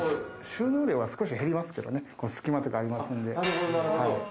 収納量は少し減りますけどね、隙間とかありますんで。